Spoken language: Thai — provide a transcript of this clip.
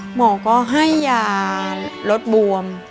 หมอก็ให้ยาลดบวม